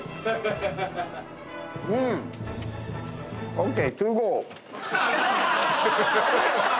ＯＫ。